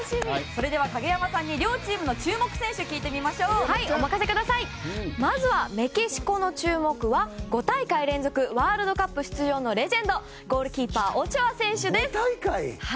それでは影山さんに両チームの注目選手をまずはメキシコの注目は５大会連続ワールドカップ出場のレジェンドゴールキーパーオチョア選手です。